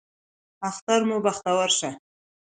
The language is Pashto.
اختر مو بختور شه